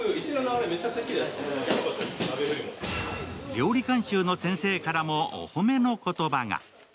料理監修の先生からもおほめの言葉が。